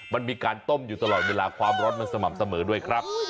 มันมีการต้มอยู่ตลอดเวลาความร้อนมันสม่ำเสมอด้วยครับ